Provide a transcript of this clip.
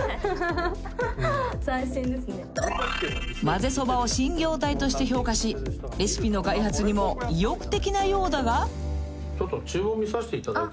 ［まぜそばを新業態として評価しレシピの開発にも意欲的なようだが］